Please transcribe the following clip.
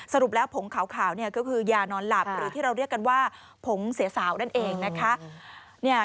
สรุปแล้วผงขาวเนี่ยก็คือยานอนหลับหรือที่เราเรียกกันว่าผงเสียสาวนั่นเองนะคะ